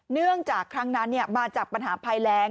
เนื่องจากครั้งนั้นมาจากปัญหาภัยแรง